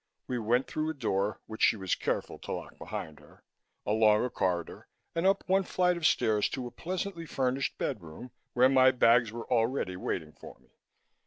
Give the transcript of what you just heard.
We went through a door, which she was careful to lock behind her, along a corridor and up one flight of stairs to a pleasantly furnished bedroom, where my bags were already waiting for me.